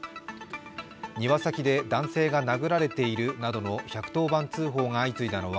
庭先で男性が殴られているなどの１１０番通報が相次いだのは